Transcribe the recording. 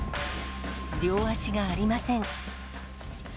両足がありません。